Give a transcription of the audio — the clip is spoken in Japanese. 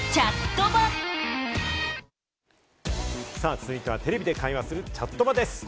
続いてはテレビで会話するチャットバです。